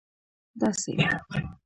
داسي